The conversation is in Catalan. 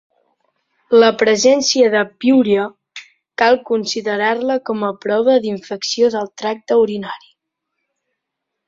La presència de piúria cal considerar-la com a prova d'infecció del tracte urinari.